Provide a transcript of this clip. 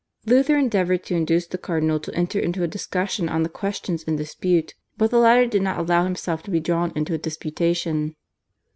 Luther endeavoured to induce the cardinal to enter into a discussion on the questions in dispute, but the latter did not allow himself to be drawn into a disputation.